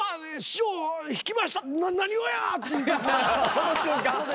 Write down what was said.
その瞬間？